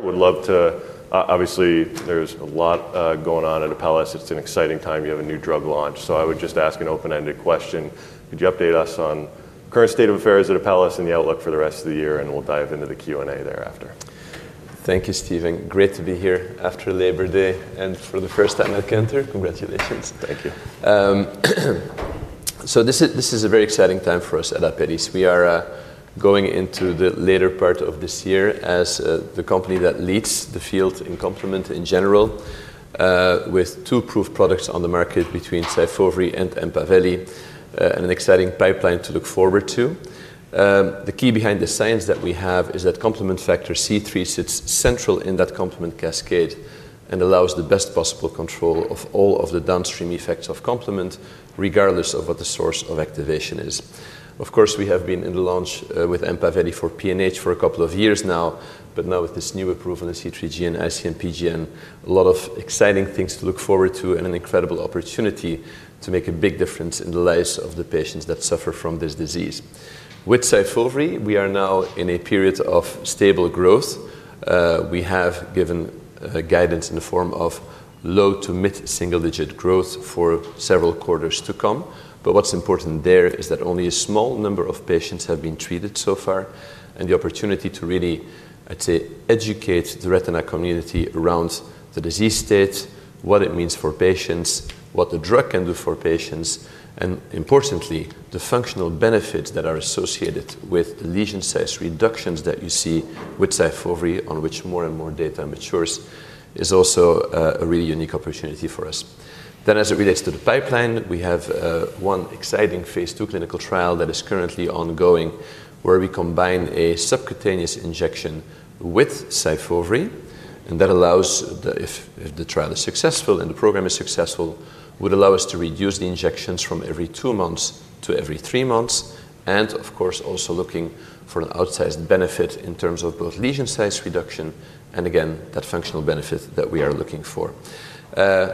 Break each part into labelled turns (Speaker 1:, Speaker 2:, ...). Speaker 1: ... would love to, obviously, there's a lot going on at Apellis. It's an exciting time. You have a new drug launch, so I would just ask an open-ended question: Could you update us on current state of affairs at Apellis and the outlook for the rest of the year? And we'll dive into the Q&A thereafter.
Speaker 2: Thank you, Steven. Great to be here after Labor Day, and for the first time at Cantor. Congratulations. Thank you. So this is a very exciting time for us at Apellis. We are going into the later part of this year as the company that leads the field in complement in general, with two approved products on the market between Syfovre and Empaveli, and an exciting pipeline to look forward to. The key behind the science that we have is that complement factor C3 sits central in that complement cascade and allows the best possible control of all of the downstream effects of complement, regardless of what the source of activation is. Of course, we have been in the launch with Empaveli for PNH for a couple of years now, but now with this new approval in C3G and IC-MPGN, a lot of exciting things to look forward to and an incredible opportunity to make a big difference in the lives of the patients that suffer from this disease. With Syfovre, we are now in a period of stable growth. We have given guidance in the form of low to mid-single-digit growth for several quarters to come. But what's important there is that only a small number of patients have been treated so far, and the opportunity to really, I'd say, educate the retina community around the disease state, what it means for patients, what the drug can do for patients, and importantly, the functional benefits that are associated with the lesion size reductions that you see with Syfovre, on which more and more data matures, is also a really unique opportunity for us. Then, as it relates to the pipeline, we have one exciting phase II clinical trial that is currently ongoing, where we combine a subcutaneous injection with Syfovre, and that allows the... If the trial is successful and the program is successful, would allow us to reduce the injections from every two months to every three months, and of course, also looking for an outsized benefit in terms of both lesion size reduction and again, that functional benefit that we are looking for.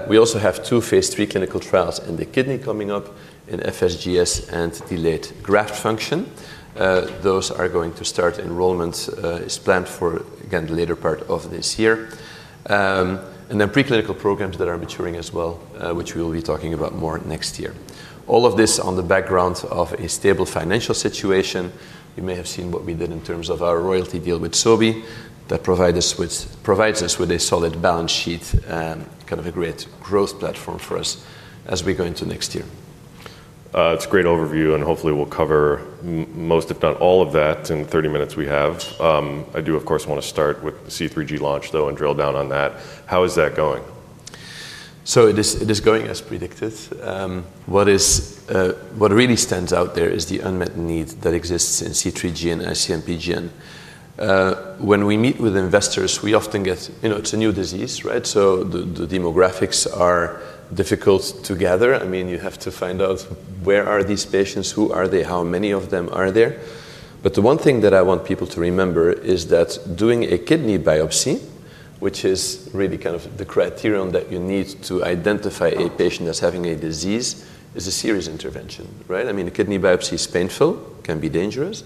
Speaker 2: We also have two phase III clinical trials in the kidney coming up in FSGS and delayed graft function. Those are going to start enrollment is planned for, again, the later part of this year. And then preclinical programs that are maturing as well, which we will be talking about more next year. All of this on the background of a stable financial situation. You may have seen what we did in terms of our royalty deal with Sobi that provides us with a solid balance sheet and kind of a great growth platform for us as we go into next year. It's a great overview, and hopefully, we'll cover most, if not all of that, in the 30 minutes we have. I do, of course, want to start with the C3G launch, though, and drill down on that. How is that going? It is going as predicted. What really stands out there is the unmet need that exists in C3G and IC-MPGN. When we meet with investors, we often get... You know, it's a new disease, right? The demographics are difficult to gather. I mean, you have to find out: where are these patients? Who are they? How many of them are there? But the one thing that I want people to remember is that doing a kidney biopsy, which is really kind of the criterion that you need to identify a patient as having a disease, is a serious intervention, right? I mean, a kidney biopsy is painful, can be dangerous,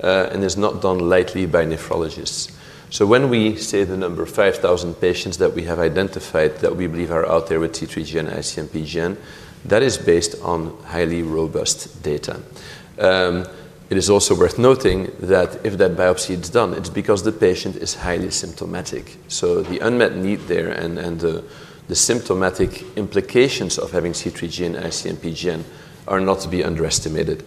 Speaker 2: and is not done lightly by nephrologists. When we say the number 5,000 patients that we have identified that we believe are out there with C3G and IC-MPGN, that is based on highly robust data. It is also worth noting that if that biopsy is done, it's because the patient is highly symptomatic. The unmet need there and the symptomatic implications of having C3G and IC-MPGN are not to be underestimated.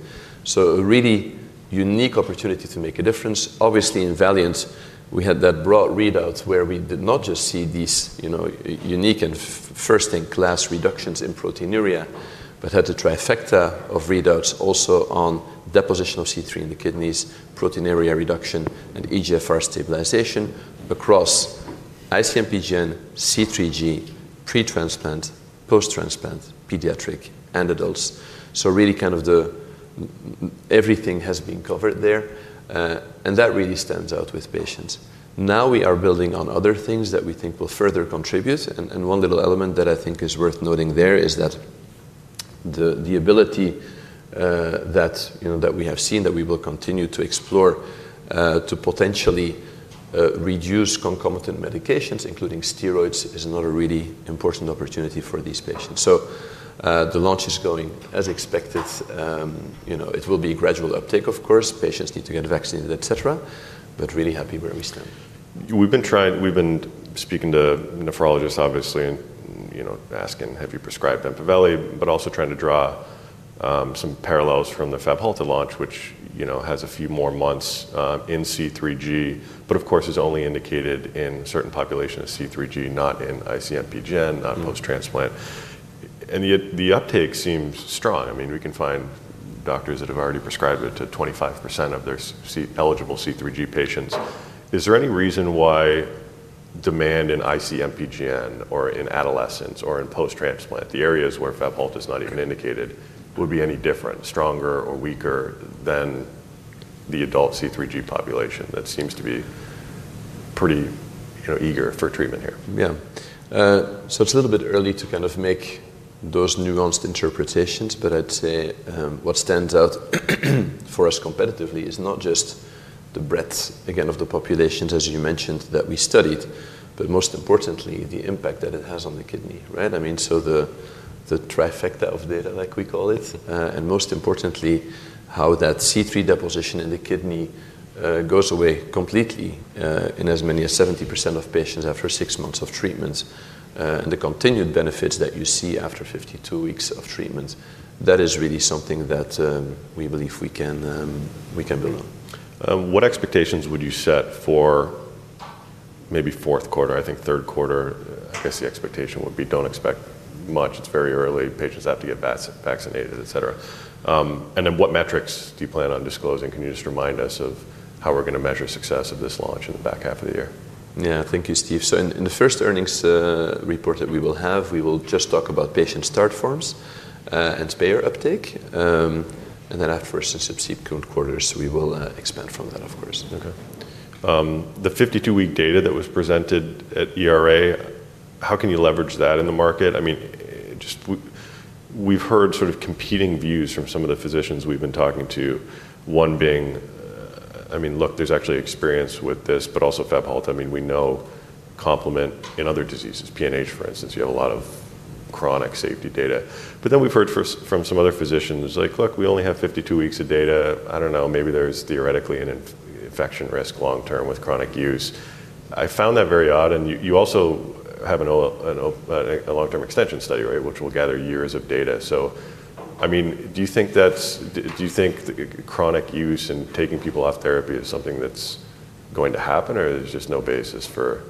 Speaker 2: A really unique opportunity to make a difference. Obviously, in VALIANT, we had that broad readout where we did not just see these, you know, unique and first-in-class reductions in proteinuria, but had the trifecta of readouts also on deposition of C3 in the kidneys, proteinuria reduction, and eGFR stabilization across IC-MPGN, C3G, pre-transplant, post-transplant, pediatric, and adults. Really kind of everything has been covered there, and that really stands out with patients. Now we are building on other things that we think will further contribute, and one little element that I think is worth noting there is that the ability that you know that we have seen that we will continue to explore to potentially reduce concomitant medications, including steroids, is another really important opportunity for these patients. The launch is going as expected. You know, it will be a gradual uptake, of course. Patients need to get vaccinated, et cetera, but really happy where we stand. We've been speaking to nephrologists, obviously, and, you know, asking, "Have you prescribed Empaveli?" But also trying to draw some parallels from the Fabhalta launch, which, you know, has a few more months in C3G, but of course, is only indicated in certain populations of C3G, not in IC-MPGN not post-transplant. And yet the uptake seems strong. I mean, we can find doctors that have already prescribed it to 25% of their C3-eligible C3G patients. Is there any reason why demand in IC-MPGN or in adolescents or in post-transplant, the areas where Fabhalta is not even indicated, would be any different, stronger or weaker than the adult C3G population? That seems to be pretty, you know, eager for treatment here. Yeah. So it's a little bit early to kind of make those nuanced interpretations, but I'd say, what stands out for us competitively is not just the breadth, again, of the populations, as you mentioned, that we studied, but most importantly, the impact that it has on the kidney, right? I mean, so the trifecta of data, like we call it, and most importantly, how that C3 deposition in the kidney goes away completely in as many as 70% of patients after six months of treatment, and the continued benefits that you see after 52 weeks of treatment, that is really something that we believe we can build on. What expectations would you set for maybe Q4? I think Q3, I guess, the expectation would be, don't expect much. It's very early. Patients have to get vaccinated, et cetera, and then what metrics do you plan on disclosing? Can you just remind us of how we're gonna measure success of this launch in the back half of the year? Yeah, thank you, Steve. So in the first earnings report that we will have, we will just talk about patient start forms and payer uptake. Then afterwards, in subsequent quarters, we will expand from that, of course. Okay. The 52-week data that was presented at ERA, how can you leverage that in the market? I mean, just we've heard sort of competing views from some of the physicians we've been talking to. One being, I mean, look, there's actually experience with this, but also Fabhalta. I mean, we know complement in other diseases, PNH, for instance, you have a lot of chronic safety data. But then we've heard from some other physicians like, "Look, we only have 52 weeks of data. I don't know, maybe there's theoretically an infection risk long-term with chronic use." I found that very odd, and you also have a long-term extension study, right? Which will gather years of data. So, I mean, do you think that's...Do you think chronic use and taking people off therapy is something that's going to happen, or there's just no basis for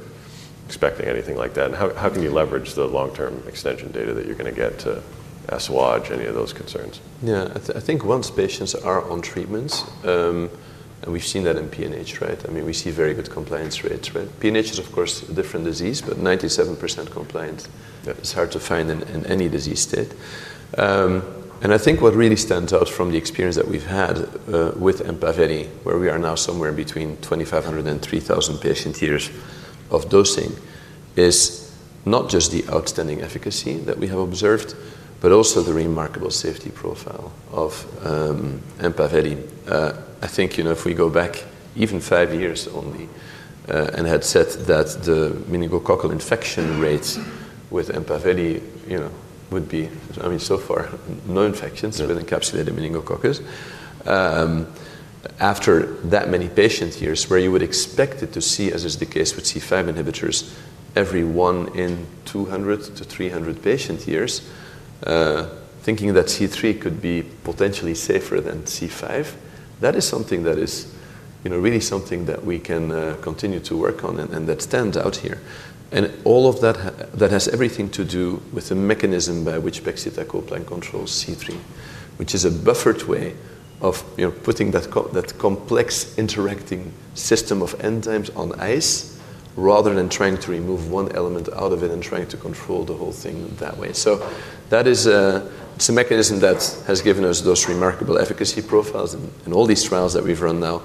Speaker 2: expecting anything like that? And how can you leverage the long-term extension data that you're gonna get to assuage any of those concerns? Yeah. I think once patients are on treatments. And we've seen that in PNH, right? I mean, we see very good compliance rates, right? PNH is, of course, a different disease, but 97% compliance. It's hard to find in any disease state. And I think what really stands out from the experience that we've had with Empaveli, where we are now somewhere between 2,500 and 3,000 patient years of dosing, is not just the outstanding efficacy that we have observed, but also the remarkable safety profile of Empaveli. I think, you know, if we go back even five years only, and had said that the meningococcal infection rates with Empaveli, you know, would be. I mean, so far, no infections with encapsulated meningococcus. After that many patient years, where you would expect it to see, as is the case with C5 inhibitors, every one in 200-300 patient years, thinking that C3 could be potentially safer than C5, that is something that is, you know, really something that we can continue to work on and that stands out here. And all of that has everything to do with the mechanism by which pegcetacoplan controls C3, which is a buffered way of, you know, putting that complex interacting system of enzymes on ice, rather than trying to remove one element out of it and trying to control the whole thing that way. So that is, it's a mechanism that has given us those remarkable efficacy profiles in all these trials that we've run now,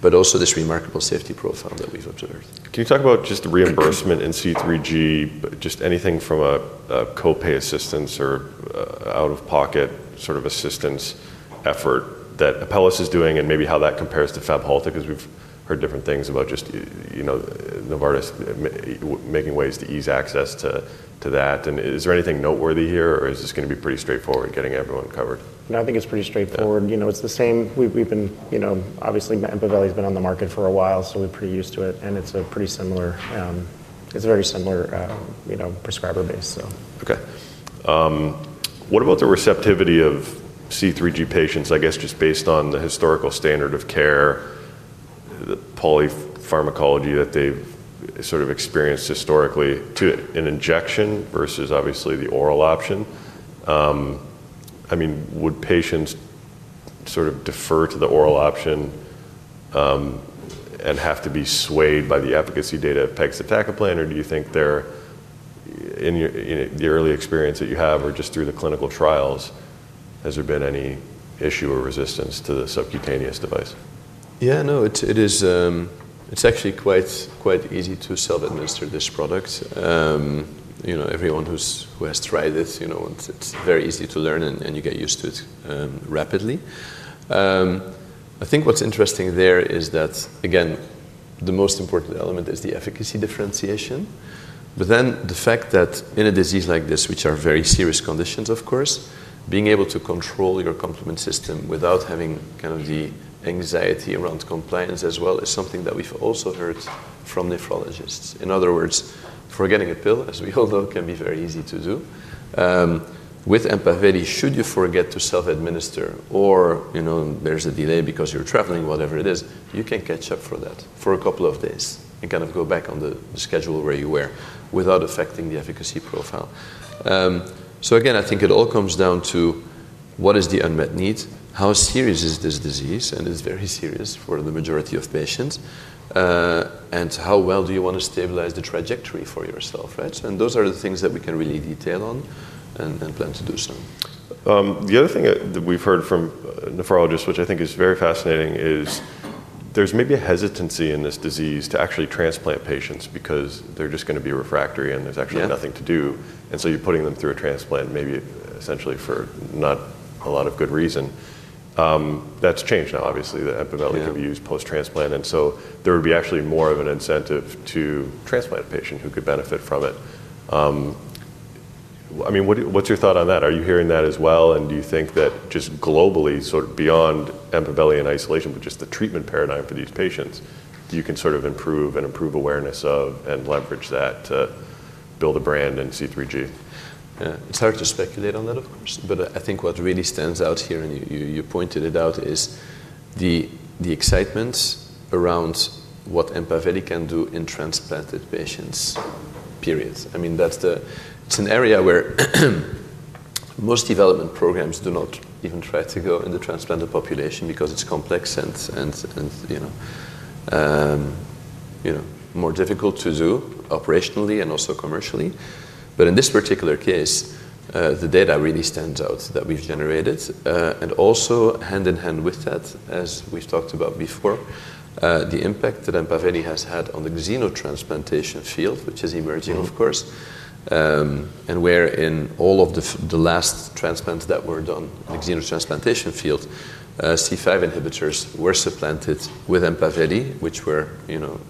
Speaker 2: but also this remarkable safety profile that we've observed. Can you talk about just the reimbursement in C3G, just anything from a co-pay assistance or out-of-pocket sort of assistance effort that Apellis is doing, and maybe how that compares to Fabhalta? Because we've heard different things about just you know, Novartis making ways to ease access to that. And is there anything noteworthy here, or is this gonna be pretty straightforward, getting everyone covered?
Speaker 3: Nothing it's pretty straightforward. You know, it's the same. We've been you know, obviously, Empaveli's been on the market for a while, so we're pretty used to it, and it's a pretty similar. It's a very similar, you know, prescriber base, so. Okay. What about the receptivity of C3G patients, I guess, just based on the historical standard of care, the polypharmacology that they've sort of experienced historically, to an injection versus obviously the oral option? I mean, would patients sort of defer to the oral option, and have to be swayed by the efficacy data of pegcetacoplan, or do you think they're, in your, in the early experience that you have or just through the clinical trials, has there been any issue or resistance to the subcutaneous device?
Speaker 2: Yeah, no, it's, it is, it's actually quite, quite easy to self-administer this product. You know, everyone who's who has tried it, you know, it's, it's very easy to learn, and, and you get used to it, rapidly. I think what's interesting there is that, again, the most important element is the efficacy differentiation. But then the fact that in a disease like this, which are very serious conditions, of course, being able to control your complement system without having kind of the anxiety around compliance as well, is something that we've also heard from nephrologists. In other words, forgetting a pill, as we all know, can be very easy to do. With Empaveli, should you forget to self-administer or, you know, there's a delay because you're traveling, whatever it is, you can catch up for that for a couple of days and kind of go back on the schedule where you were, without affecting the efficacy profile. So again, I think it all comes down to what is the unmet need. How serious is this disease? And it's very serious for the majority of patients. And how well do you want to stabilize the trajectory for yourself, right? And those are the things that we can really detail on and plan to do so. The other thing that we've heard from nephrologists, which I think is very fascinating, is there's maybe a hesitancy in this disease to actually transplant patients, because they're just gonna be refractory, and there's actually- Yeah Nothing to do, and so you're putting them through a transplant, maybe essentially for not a lot of good reason. That's changed now, obviously, the Empaveli- Yeah can be used post-transplant, and so there would be actually more of an incentive to transplant a patient who could benefit from it. I mean, what, what's your thought on that? Are you hearing that as well, and do you think that just globally, sort of beyond Empaveli in isolation, but just the treatment paradigm for these patients, you can sort of improve and improve awareness of, and leverage that to build a brand in C3G? Yeah. It's hard to speculate on that, of course, but I think what really stands out here, and you pointed it out, is the excitement around what Empaveli can do in transplanted patients, period. I mean, that's the-- It's an area where most development programs do not even try to go in the transplanted population because it's complex and you know, more difficult to do operationally and also commercially. But in this particular case, the data really stands out that we've generated. And also, hand in hand with that, as we've talked about before, the impact that Empaveli has had on the xenotransplantation field, which is emerging- Mm-hmm... of course, and where in all of the last transplants that were done-in the xenotransplantation field, C5 inhibitors were supplanted with Empaveli, which were, you know,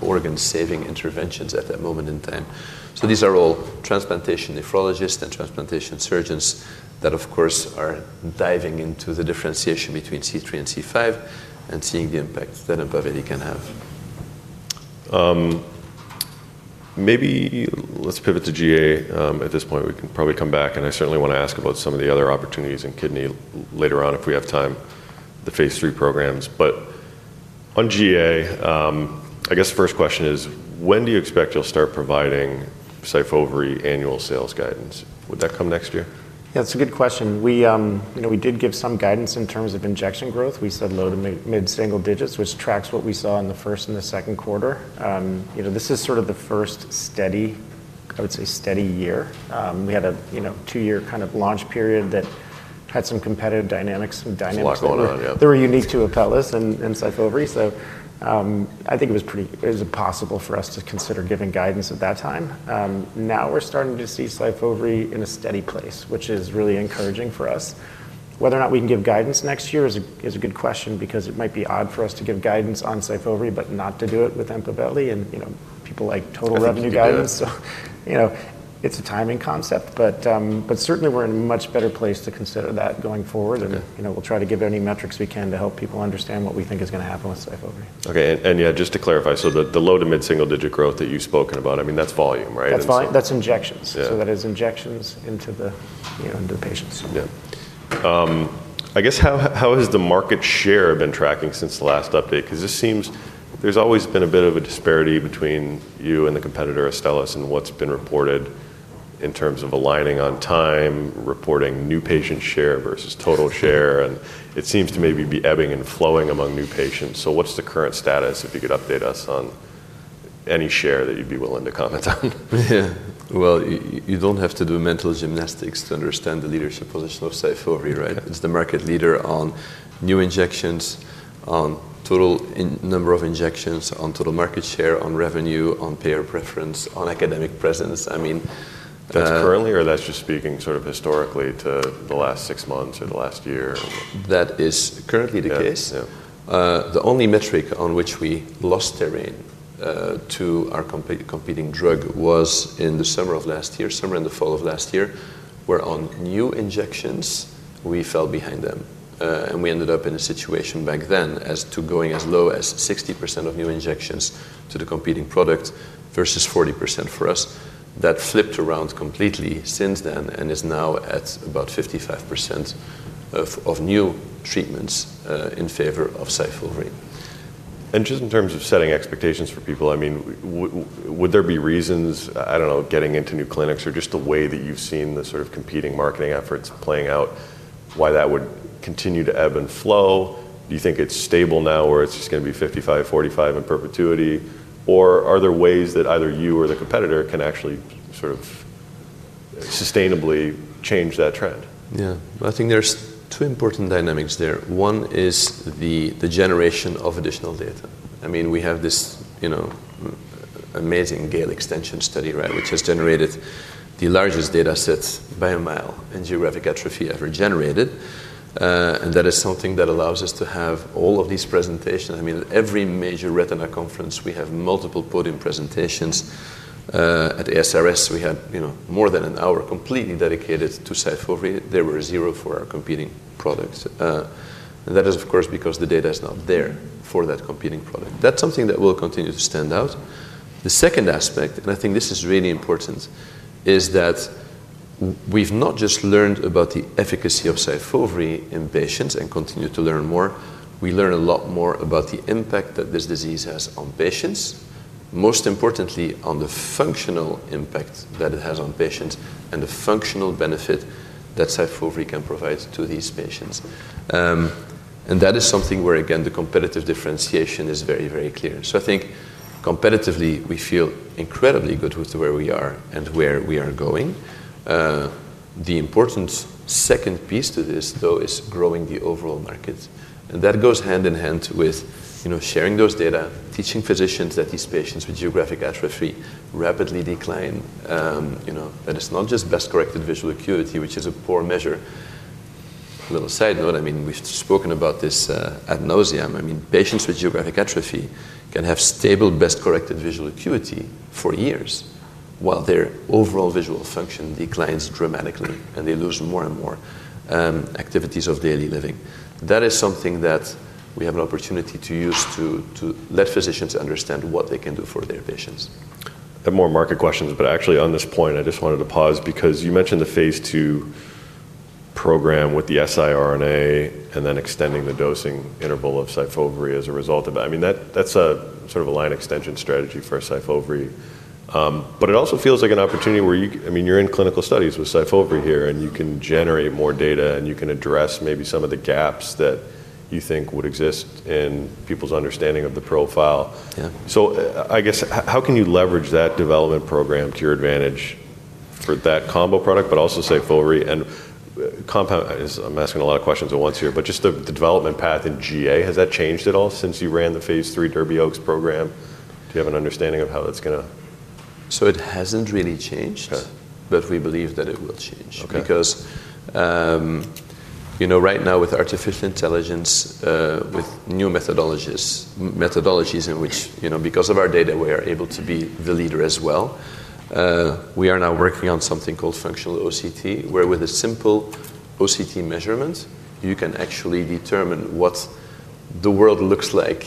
Speaker 2: organ-saving interventions at that moment in time. So these are all transplantation nephrologists and transplantation surgeons that, of course, are diving into the differentiation between C3 and C5 and seeing the impact that Empaveli can have. Maybe let's pivot to GA at this point. We can probably come back, and I certainly want to ask about some of the other opportunities in kidney later on if we have time, the phase III programs. But on GA, I guess first question is, when do you expect you'll start providing Syfovre annual sales guidance? Would that come next year? Yeah, that's a good question. We, you know, we did give some guidance in terms of injection growth. We said low- to mid-single digits, which tracks what we saw in the first and the Q2. You know, this is sort of the first steady, I would say, steady year. We had a, you know, two-year kind of launch period that had some competitive dynamics, some dynamics that were- There's a lot going on, yeah.... that were unique to Apellis and Syfovre. So, I think it was impossible for us to consider giving guidance at that time. Now we're starting to see Syfovre in a steady place, which is really encouraging for us. Whether or not we can give guidance next year is a good question because it might be odd for us to give guidance on Syfovre, but not to do it with Empaveli, and, you know, people like total revenue guidance. I think you should do it. You know, it's a timing concept, but certainly, we're in a much better place to consider that going forward. Okay. You know, we'll try to give any metrics we can to help people understand what we think is gonna happen with Syfovre. Okay, and yeah, just to clarify, so the low- to mid-single-digit growth that you've spoken about, I mean, that's volume, right? And so- That's volume. That's injections. Yeah. That is injections into the, you know, the patients. Yeah. I guess, how has the market share been tracking since the last update? 'Cause this seems there's always been a bit of a disparity between you and the competitor, Astellas, and what's been reported in terms of aligning on time, reporting new patient share versus total share, and it seems to maybe be ebbing and flowing among new patients. So what's the current status, if you could update us on any share that you'd be willing to comment on? Yeah. Well, you don't have to do mental gymnastics to understand the leadership position of Syfovre, right? Yeah. It's the market leader on new injections, on total in number of injections, on total market share, on revenue, on payer preference, on academic presence. I mean, That's currently, or that's just speaking sort of historically to the last six months or the last year? That is currently the case. Yeah. Yeah. The only metric on which we lost ground to our competing drug was in the summer of last year and the fall of last year, where on new injections, we fell behind them, and we ended up in a situation back then down to going as low as 60% of new injections to the competing product versus 40% for us. That flipped around completely since then and is now at about 55% of new treatments in favor of Syfovre. Just in terms of setting expectations for people, I mean, would there be reasons, I don't know, getting into new clinics or just the way that you've seen the sort of competing marketing efforts playing out, why that would continue to ebb and flow? Do you think it's stable now, or it's just gonna be fifty-five, forty-five in perpetuity? Or are there ways that either you or the competitor can actually sort of sustainably change that trend? Yeah. I think there's two important dynamics there. One is the generation of additional data. I mean, we have this, you know, amazing GALE extension study, right? Which has generated the largest data set by a mile in geographic atrophy ever generated. And that is something that allows us to have all of these presentations. I mean, every major retina conference, we have multiple podium presentations. At SRS, we had, you know, more than an hour completely dedicated to Syfovre. There were zero for our competing products. And that is, of course, because the data is not there for that competing product. That's something that will continue to stand out. The second aspect, and I think this is really important, is that we've not just learned about the efficacy of Syfovre in patients and continue to learn more, we learn a lot more about the impact that this disease has on patients, most importantly, on the functional impact that it has on patients and the functional benefit that Syfovre can provide to these patients, and that is something where, again, the competitive differentiation is very, very clear. So I think competitively, we feel incredibly good with where we are and where we are going. The important second piece to this, though, is growing the overall market, and that goes hand in hand with, you know, sharing those data, teaching physicians that these patients with geographic atrophy rapidly decline. You know, that it's not just best-corrected visual acuity, which is a poor measure. A little side note, I mean, we've spoken about this ad nauseam. I mean, patients with geographic atrophy can have stable, best-corrected visual acuity for years, while their overall visual function declines dramatically, and they lose more and more activities of daily living. That is something that we have an opportunity to use to let physicians understand what they can do for their patients. I have more market questions, but actually, on this point, I just wanted to pause because you mentioned the phase II program with the siRNA and then extending the dosing interval of Syfovre as a result of that. I mean, that's a sort of a line extension strategy for Syfovre. But it also feels like an opportunity where you, I mean, you're in clinical studies with Syfovre here, and you can generate more data, and you can address maybe some of the gaps that you think would exist in people's understanding of the profile. Yeah. I guess, how can you leverage that development program to your advantage for that combo product, but also Syfovre and compound...? I'm asking a lot of questions at once here, but just the development path in GA, has that changed at all since you ran the phase 3 DERBY-OAKS program? Do you have an understanding of how that's gonna- So it hasn't really changed- Okay. But we believe that it will change. Okay. Because, you know, right now, with artificial intelligence, with new methodologies in which, you know, because of our data, we are able to be the leader as well. We are now working on something called Functional OCT, where with a simple OCT measurement, you can actually determine what the world looks like,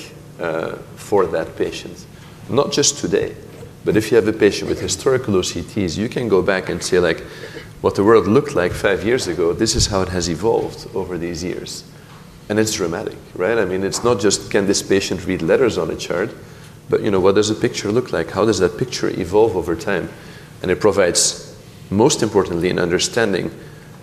Speaker 2: for that patient. Not just today, but if you have a patient with historical OCTs, you can go back and see, like, what the world looked like five years ago. This is how it has evolved over these years, and it's dramatic, right? I mean, it's not just, can this patient read letters on a chart? But, you know, what does the picture look like? How does that picture evolve over time? And it provides, most importantly, an understanding,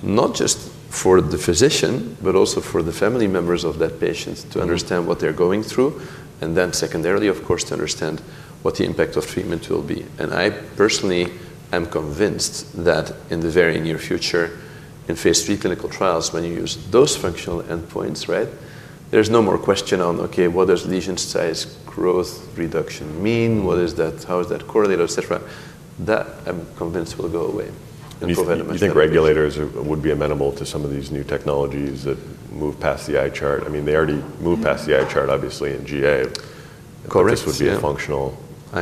Speaker 2: not just for the physician, but also for the family members of that patient.... to understand what they're going through, and then secondarily, of course, to understand what the impact of treatment will be. And I personally am convinced that in the very near future, in phase III clinical trials, when you use those functional endpoints, right, there's no more question on: Okay, what does lesion size growth reduction mean? What is that? How is that correlated, et cetera? That, I'm convinced, will go away and provide- You think regulators would be amenable to some of these new technologies that move past the eye chart? I mean, they already moved past the eye chart, obviously, in GA. Correct, yeah. This would be a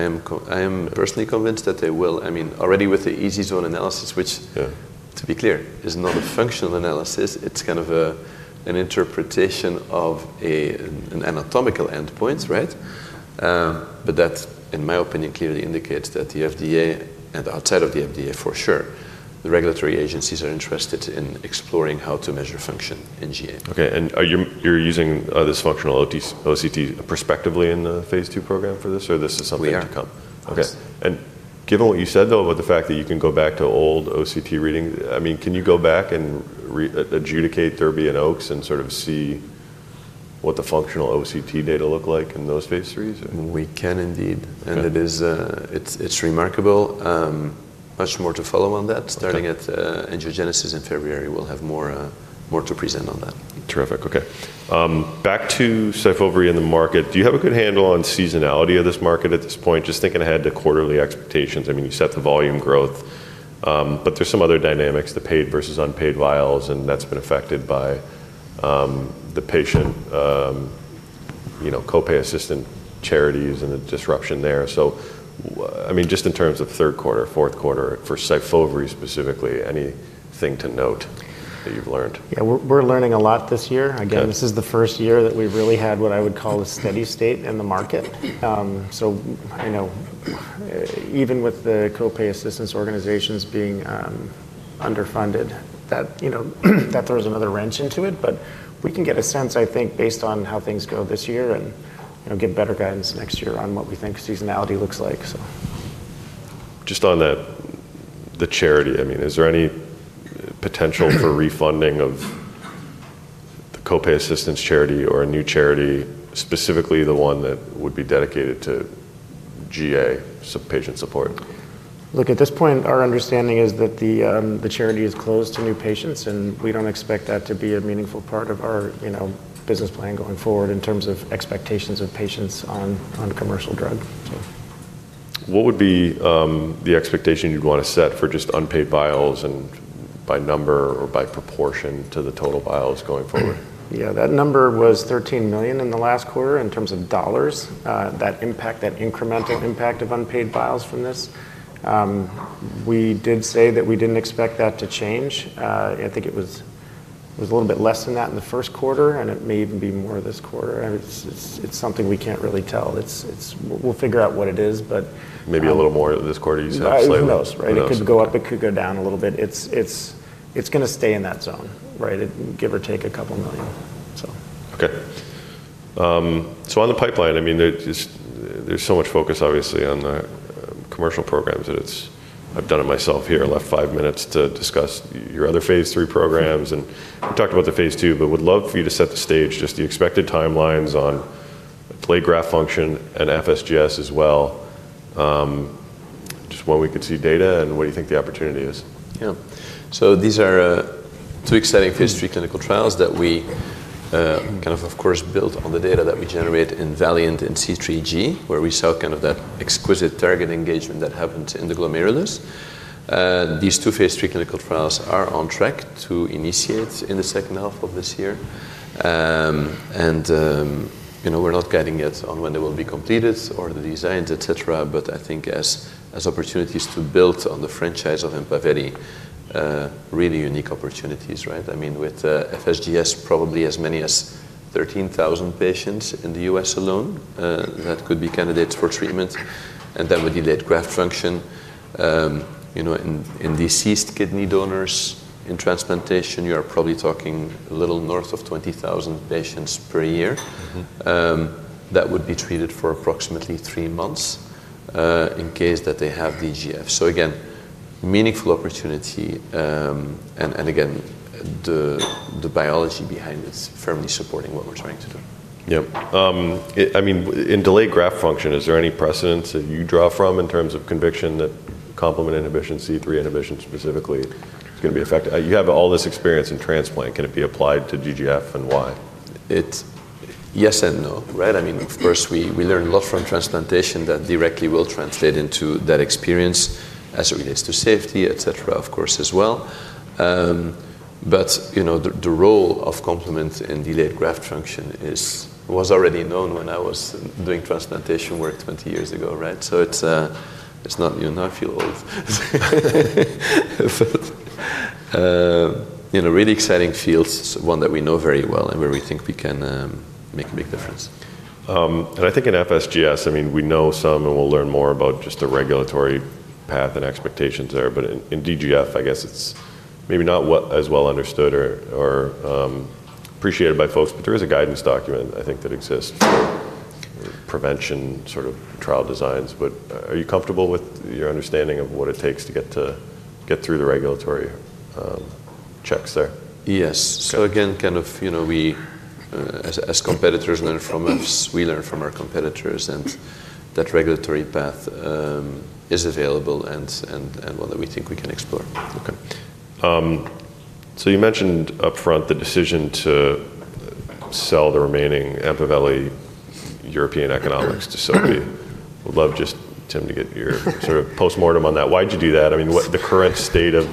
Speaker 2: functional- I am personally convinced that they will. I mean, already with the EZ zone analysis, which- Yeah... to be clear, is not a functional analysis, it's kind of an interpretation of an anatomical endpoint, right? But that, in my opinion, clearly indicates that the FDA, and outside of the FDA, for sure, the regulatory agencies are interested in exploring how to measure function in GA. Okay, and are you using this functional OCT prospectively in the phase II program for this, or is this something to come? We are. Okay. And given what you said, though, about the fact that you can go back to old OCT readings, I mean, can you go back and readjudicate DERBY and OAKS and sort of see what the functional OCT data look like in those phase IIIs? We can indeed. Okay. And it is. It's remarkable. Much more to follow on that. Okay. Starting at Angiogenesis in February, we'll have more to present on that. Terrific. Okay. Back to Syfovre in the market, do you have a good handle on seasonality of this market at this point? Just thinking ahead to quarterly expectations. I mean, you set the volume growth, but there are some other dynamics, the paid versus unpaid vials, and that's been affected by, the patient, you know, copay assistance charities and the disruption there. So, I mean, just in terms of Q3, Q4, for Syfovre specifically, anything to note that you've learned?
Speaker 3: Yeah, we're learning a lot this year. Okay. Again, this is the first year that we've really had what I would call a steady state in the market. So I know, even with the copay assistance organizations being underfunded, that, you know, that throws another wrench into it. But we can get a sense, I think, based on how things go this year and, you know, get better guidance next year on what we think seasonality looks like, so. Just on that, the charity, I mean, is there any potential for refunding of the copay assistance charity or a new charity, specifically the one that would be dedicated to GA patient support? Look, at this point, our understanding is that the charity is closed to new patients, and we don't expect that to be a meaningful part of our, you know, business plan going forward in terms of expectations of patients on commercial drug, so. What would be the expectation you'd want to set for just unpaid vials and by number or by proportion to the total vials going forward? Yeah, that number was $13 million in the last quarter, in terms of dollars. That impact, that incremental impact of unpaid vials from this. We did say that we didn't expect that to change. I think it was a little bit less than that in the Q1, and it may even be more this quarter. I mean, it's something we can't really tell. It's-- We'll figure out what it is, but, Maybe a little more this quarter. You said slightly. Who knows, right? Who knows. It could go up, it could go down a little bit. It's gonna stay in that zone, right? Give or take a couple million, so. Okay. So on the pipeline, I mean, there's so much focus, obviously, on the commercial programs, that it's... I've done it myself here. I left five minutes to discuss your other phase III programs, and we talked about the phase II, but would love for you to set the stage, just the expected timelines on delayed graft function and FSGS as well. Just where we could see data and what do you think the opportunity is?
Speaker 2: Yeah, so these are two exciting phase III clinical trials that we kind of, of course, built on the data that we generate in VALIANT and C3G, where we saw kind of that exquisite target engagement that happened in the glomerulus. These two phase III clinical trials are on track to initiate in the second half of this year. You know, we're not guiding yet on when they will be completed or the designs, et cetera, but I think as opportunities to build on the franchise of Empaveli, really unique opportunities, right? I mean, with FSGS, probably as many as 13,000 patients in the U.S. alone, that could be candidates for treatment, and then with delayed graft function. You know, in deceased kidney donors in transplantation, you are probably talking a little north of 20,000 patients per year. Mm-hmm... that would be treated for approximately three months, in case that they have DGF. So again, meaningful opportunity, and again, the biology behind it's firmly supporting what we're trying to do. Yeah. I mean, in delayed graft function, is there any precedent that you draw from in terms of conviction that complement inhibition, C3 inhibition specifically, is gonna be effective? You have all this experience in transplant. Can it be applied to DGF, and why? Yes and no, right? I mean, of course, we learned a lot from transplantation that directly will translate into that experience as it relates to safety, et cetera, of course, as well. But, you know, the role of complement in delayed graft function was already known when I was doing transplantation work twenty years ago, right? So it's not... You know, now I feel old. But, you know, really exciting fields, one that we know very well and where we think we can make a big difference. And I think in FSGS, I mean, we know some, and we'll learn more about just the regulatory path and expectations there, but in DGF, I guess it's maybe not as well understood or appreciated by folks, but there is a guidance document, I think, that exists for prevention sort of trial designs. But are you comfortable with your understanding of what it takes to get through the regulatory checks there? Yes. Okay. So again, kind of, you know, we, as competitors learn from us, we learn from our competitors, and that regulatory path is available and one that we think we can explore. Okay. So you mentioned upfront the decision to sell the remaining Empaveli European economics to Sobi. Would love just, Tim, to get your sort of postmortem on that. Why'd you do that? I mean, what the current state of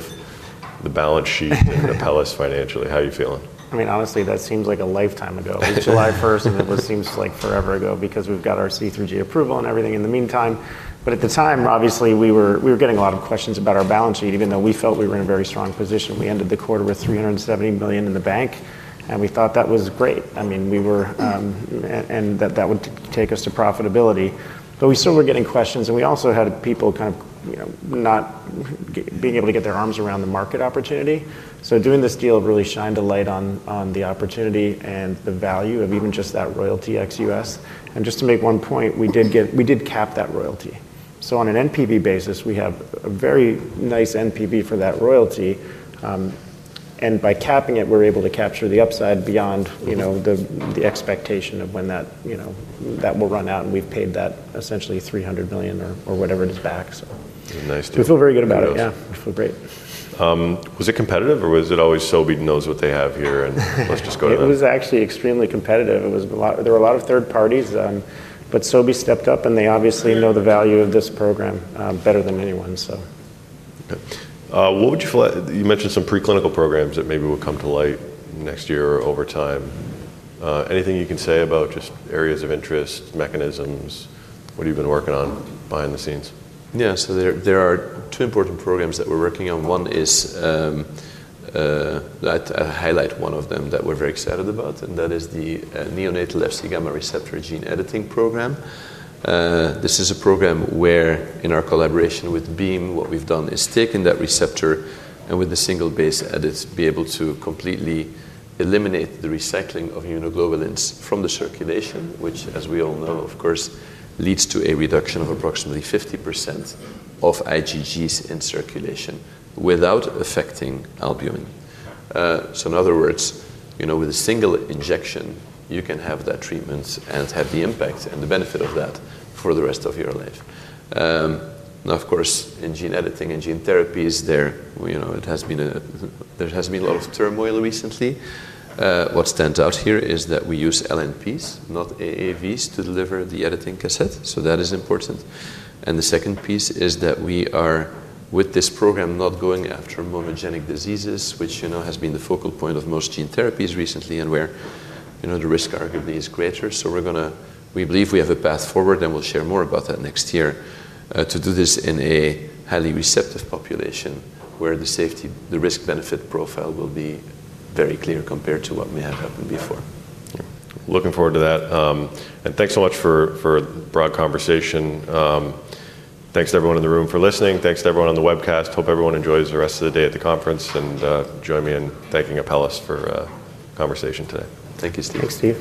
Speaker 2: the balance sheet and Apellis financially, how are you feeling?
Speaker 3: I mean, honestly, that seems like a lifetime ago. It was July 1st, and it seems like forever ago because we've got our C3G approval and everything in the meantime. But at the time, obviously, we were getting a lot of questions about our balance sheet, even though we felt we were in a very strong position. We ended the quarter with $370 million in the bank, and we thought that was great. I mean, we were and that would take us to profitability, but we still were getting questions, and we also had people kind of, you know, not being able to get their arms around the market opportunity. So doing this deal really shined a light on the opportunity and the value of even just that royalty ex US. And just to make one point, we did cap that royalty. So on an NPV basis, we have a very nice NPV for that royalty, and by capping it, we're able to capture the upside beyond, you know, the expectation of when that, you know, that will run out, and we've paid that essentially $300 million or whatever it is back, so. It was a nice deal. We feel very good about it. Yes. Yeah, we feel great. Was it competitive, or was it always Sobi knows what they have here, and let's just go at it? It was actually extremely competitive. There were a lot of third parties, but Sobi stepped up, and they obviously know the value of this program better than anyone, so. Okay. What would you fill out? You mentioned some preclinical programs that maybe will come to light next year or over time. Anything you can say about just areas of interest, mechanisms, what you've been working on behind the scenes?
Speaker 2: Yeah. So there are two important programs that we're working on. One is. Let me highlight one of them that we're very excited about, and that is the neonatal Fc receptor gene editing program. This is a program where, in our collaboration with Beam, what we've done is taken that receptor, and with the single base edits, be able to completely eliminate the recycling of immunoglobulins from the circulation, which, as we all know, of course, leads to a reduction of approximately 50% of IgGs in circulation without affecting albumin. So in other words, you know, with a single injection, you can have that treatment and have the impact and the benefit of that for the rest of your life. Now, of course, in gene editing and gene therapies, there, you know, there has been a lot of turmoil recently. What stands out here is that we use LNPs, not AAVs, to deliver the editing cassette, so that is important. And the second piece is that we are, with this program, not going after monogenic diseases, which, you know, has been the focal point of most gene therapies recently, and where, you know, the risk arguably is greater. So we're gonna, we believe we have a path forward, and we'll share more about that next year, to do this in a highly receptive population, where the safety, the risk-benefit profile will be very clear compared to what may have happened before. Yeah. Looking forward to that and thanks so much for a broad conversation. Thanks to everyone in the room for listening. Thanks to everyone on the webcast. Hope everyone enjoys the rest of the day at the conference, and join me in thanking Apellis for conversation today. Thank you, Steve.
Speaker 3: Thanks, Steve.